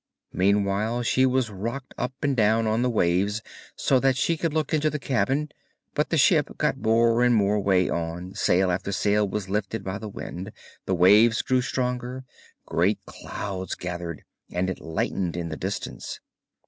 Meanwhile she was rocked up and down on the waves, so that she could look into the cabin; but the ship got more and more way on, sail after sail was filled by the wind, the waves grew stronger, great clouds gathered, and it lightened in the distance.